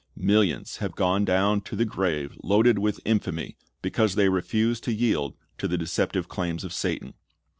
Millions have gone down to the grave loaded with infamy because they refused to yield to the deceptive claims of Satan.